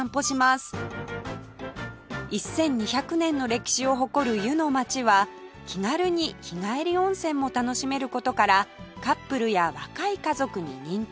１２００年の歴史を誇る湯の街は気軽に日帰り温泉も楽しめる事からカップルや若い家族に人気